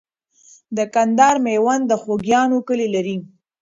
د کندهار میوند د خوګیاڼیو کلی لري.